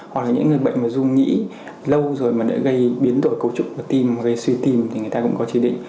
hoặc là những người bệnh mà dung nghĩ lâu rồi mà đã gây biến đổi cấu trúc của tim gây suy tìm thì người ta cũng có chỉ định